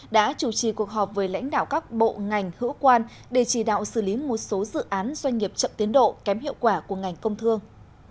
đã chủ trì cuộc họp với lãnh đạo các bộ ngành hữu quan để chỉ đạo xử lý một số dự án doanh nghiệp chậm tiến độ kém hiệu quả của ngành công thương